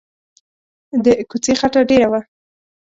د کوڅې خټه ډېره وه.